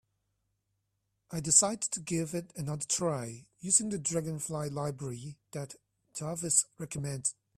I decided to give it another try, using the Dragonfly library that Tavis recommended.